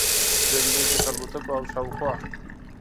جنګي جټ الوتکو او شاوخوا